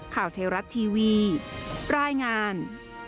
ข่าวไทยรัฐทีวีรายงาน